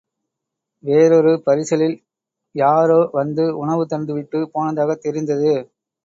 வேறொரு பரிசலில் யாரோ வந்து உணவு தந்துவிட்டுப் போனதாகத் தெரிந்தது.